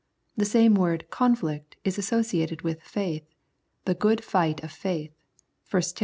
The same word " conflict " is associated with faith, " the good fight of faith " (i Tim.